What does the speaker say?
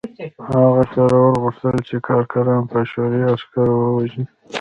هغه شرور غوښتل چې کارګران په شوروي عسکرو ووژني